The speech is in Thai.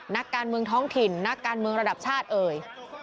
นักการเมืองท้องถิ่นนักการเมืองระดับชาติเอ่ย